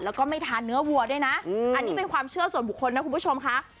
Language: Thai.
แล้วก็ไม่ทานเนื้อวัวด้วยนะอันนี้เป็นความเชื่อส่วนบุคคลนะคุณผู้ชมค่ะ